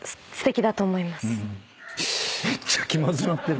めっちゃ気まずなってる。